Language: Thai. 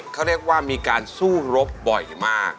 เขาเรียกว่ามีการสู้รบบ่อยมาก